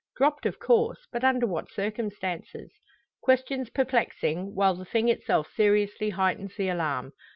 Dropped, of course; but under what circumstances? Questions perplexing, while the thing itself seriously heightens the alarm.